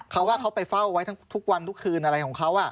เขาว่าเขาไปเฝ้าไว้ทุกวันทุกคืนอะไรของเขา